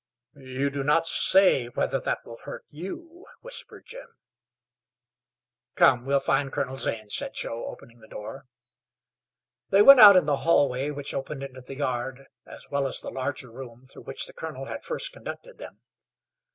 "You do not say whether that will hurt you," whispered Jim. "Come we'll find Colonel Zane," said Joe, opening the door. They went out in the hallway which opened into the yard as well as the larger room through which the colonel had first conducted them.